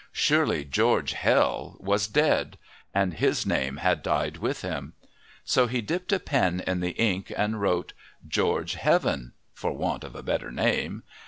Surely George Hell was dead, and his name had died with him. So he dipped a pen in the ink and wrote "George Heaven," for want of a better name.